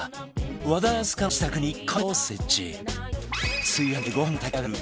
和田明日香の自宅にカメラを設置